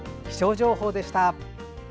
気象情報でした。